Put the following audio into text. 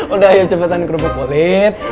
udah ayo cepetan kerubuk kulit